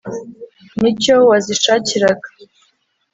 ni cyo wazishakiraga.